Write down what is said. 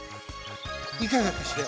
いかがかしら。